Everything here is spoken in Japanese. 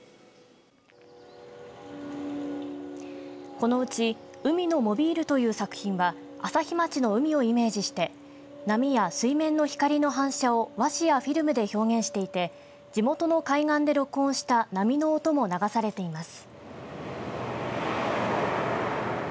このうち海のモビールという作品は朝日町の海をイメージして波や水面の光の反射を和紙やフィルムで表現していて地元の海岸で録音した波の音も流されています。